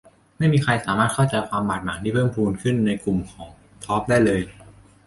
ไม่มีใครสามารถเข้าใจความบาดหมางที่เพิ่มพูนขึ้นในกลุ่มคนของธอร์ปได้เลย